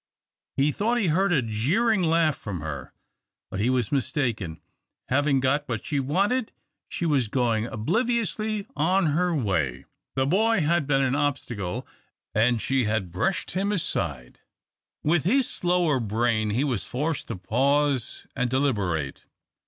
He thought he heard a jeering laugh from her, but he was mistaken. Having got what she wanted, she was going obliviously on her way. The boy had been an obstacle, and she had brushed him aside. [Illustration: "'STOP THAR STOP! STOP!'"] With his slower brain he was forced to pause and deliberate.